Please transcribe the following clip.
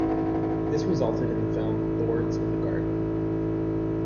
This resulted in the film "Lords of the Garden".